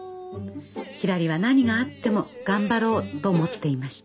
ひらりは何があっても頑張ろうと思っていました。